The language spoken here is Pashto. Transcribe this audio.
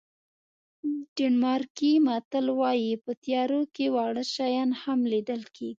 ډنمارکي متل وایي په تیارو کې واړه شیان هم لیدل کېږي.